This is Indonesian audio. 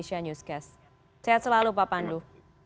sehat selalu pak pandu